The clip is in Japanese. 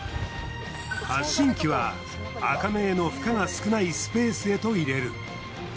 発信器はアカメへの負荷が少ないスペースへと入れる。